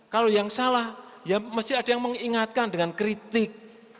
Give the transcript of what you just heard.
kalau yang salah ya mesti ada yang mengingatkan dengan kritik